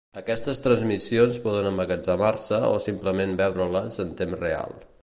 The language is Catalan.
Aquestes transmissions poden emmagatzemar-se o simplement veure-les en temps real.